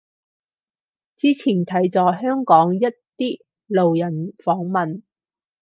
之前睇咗香港一啲路人訪問